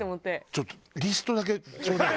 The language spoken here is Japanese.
ちょっとリストだけちょうだい。